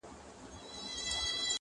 کارګه نه وو په خپل ژوند کي چا ستایلی؛